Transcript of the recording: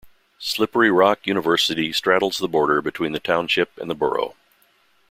Slippery Rock University straddles the border between the township and the borough.